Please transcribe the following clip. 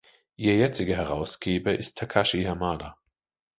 Ihr jetziger Herausgeber ist Takashi Hamada.